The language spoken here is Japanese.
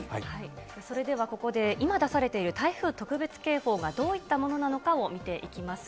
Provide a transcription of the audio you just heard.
それではここで、今出されている台風特別警報がどういったものなのかを見ていきます。